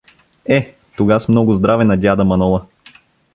— Е, тогаз много здраве на дяда Манола.